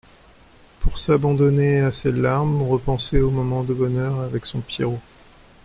pour s’abandonner à ses larmes, repenser aux moments de bonheur avec son Pierrot